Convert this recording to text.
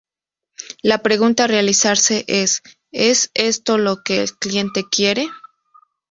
La pregunta a realizarse es: ¿Es esto lo que el cliente quiere?.